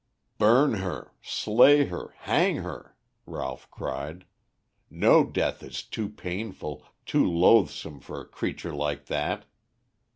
"Burn her, slay her, hang her," Ralph cried. "No death is too painful, too loathsome for a creature like that.